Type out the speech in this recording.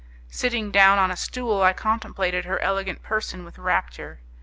Sitting down on a stool I contemplated her elegant person with rapture.